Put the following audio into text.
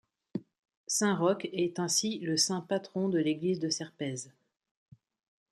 Saint-Roch est ainsi le saint patron de l'église de Serpaize.